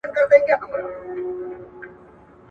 راځئ چي یو بل ته د ورورۍ لاس ورکړو.